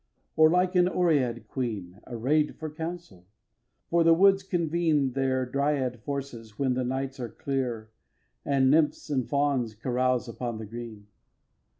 or like an Oread queen Array'd for council? For the woods convene Their dryad forces when the nights are clear, And nymphs and fawns carouse upon the green.